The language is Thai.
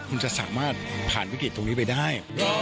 คุณจะสามารถผ่านวิกฤตตรงนี้ไปได้